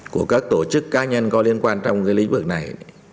của các tổ chức cá nhân có liên quan trong cái lĩnh vực này